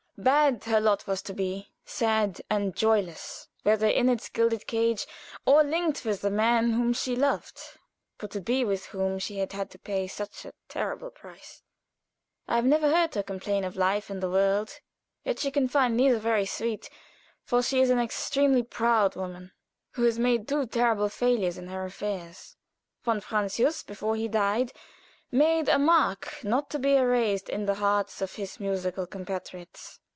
Bad her lot was to be, sad, and joyless, whether in its gilded cage, or linked with the man whom she loved, but to be with whom she had had to pay so terrible a price. I have never heard her complain of life and the world; yet she can find neither very sweet, for she is an extremely proud woman, who has made two terrible failures in her affairs. Von Francius, before he died, had made a mark not to be erased in the hearts of his musical compatriots.